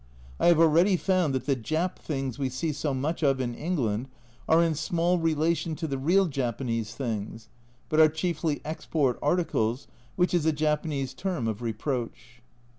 I have already found that the " Jap " things we see so much of in England are in small relation to the real Japanese things, but are chiefly "export articles," which is a Japanese term of reproach.